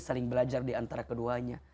sering belajar diantara keduanya